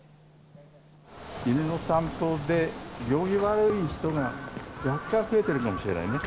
犬の散歩で、行儀悪い人が若干、増えてるのかもしれないね。